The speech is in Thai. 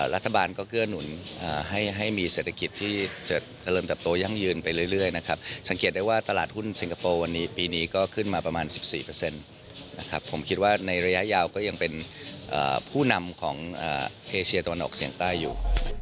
รัฐบาลก็เกื้อหนุนให้มีเศรษฐกิจที่จะเจริญเติบโตยั่งยืนไปเรื่อยนะครับสังเกตได้ว่าตลาดหุ้นสิงคโปร์วันนี้ปีนี้ก็ขึ้นมาประมาณ๑๔นะครับผมคิดว่าในระยะยาวก็ยังเป็นผู้นำของเอเชียตะวันออกเฉียงใต้อยู่